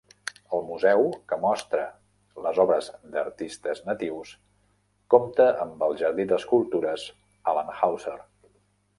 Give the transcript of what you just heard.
El museu, que mostra les obres d'artistes natius, compta amb el jardí d'escultures Allan Houser.